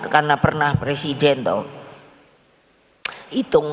karena pernah presiden tau